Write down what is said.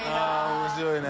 面白いね。